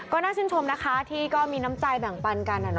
ก็น่าชินชมนะคะที่ก็มีน้ำใจแบ่งปันกันอ่ะเนาะ